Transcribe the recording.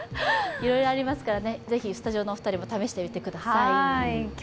いろいろありますからぜひスタジオのお二人も試してみてください。